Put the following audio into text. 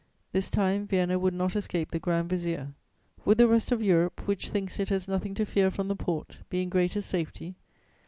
This time, Vienna would not escape the Grand Vizier. Would the rest of Europe, which thinks it has nothing to fear from the Porte, be in greater safety?